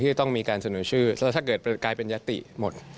จะต้องมีการเสนอชื่อแล้วถ้าเกิดกลายเป็นยติหมด